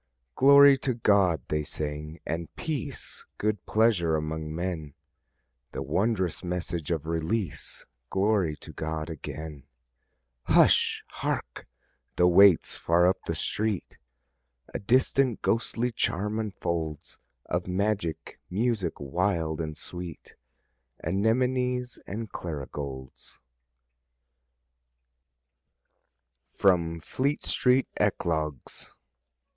"Glory to God," they sang; "and peace, Good pleasure among men." The wondrous message of release! Glory to God again! Hush! Hark! the waits, far up the street! A distant, ghostly charm unfolds, Of magic music wild and sweet, Anemones and clarigolds. John Davidson _From "Fleet Street Eclogues."